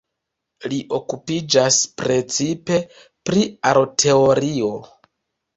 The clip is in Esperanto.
Li okupiĝas precipe pri aroteorio.